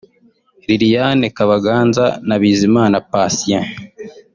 ’Liliane Kabaganza’ na ’Bizimana Patient’